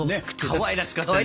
かわいらしかったね